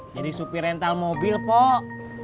jadi supi rental mobil pok